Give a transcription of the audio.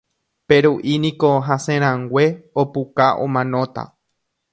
Peru'i niko hasẽrãngue, opuka omanóta.